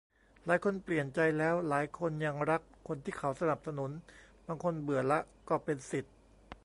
หลายคนเปลี่ยนใจแล้ว หลายคนยังรักคนที่เขาสนับสนุน บางคนเบื่อละ ก็เป็นสิทธิ์